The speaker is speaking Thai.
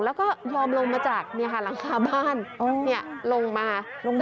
แล้วก็ยอมลงมาจากเนี่ยค่ะหลังคาบ้านเนี้ยลงมา